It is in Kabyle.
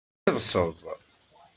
Sirseḍ.